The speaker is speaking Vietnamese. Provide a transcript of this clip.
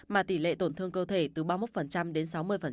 mà tỷ lệ tổn thương cơ thể từ ba mươi một đến sáu mươi